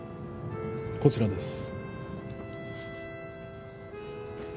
こちらです